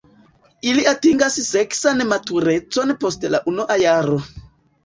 Ili atingas seksan maturecon post la unua jaro.